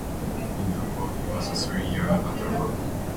In football, he was a three-year letterman.